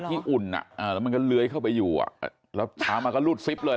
หาที่อุ่นอ่ะแล้วมันก็เล้ยเข้าไปอยู่แล้วช้ามาก็รูดซิบเลย